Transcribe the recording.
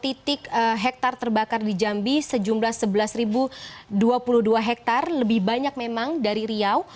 titik hektare terbakar di jambi sejumlah sebelas dua puluh dua hektare lebih banyak memang dari riau